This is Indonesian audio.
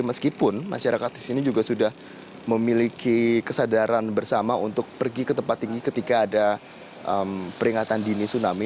meskipun masyarakat di sini juga sudah memiliki kesadaran bersama untuk pergi ke tempat tinggi ketika ada peringatan dini tsunami